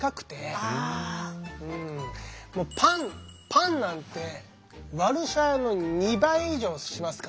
パンなんてワルシャワの２倍以上しますから。